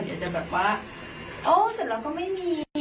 อยากจะแบบว่าเสร็จแล้วก็ไม่มีอะไรอย่างนี้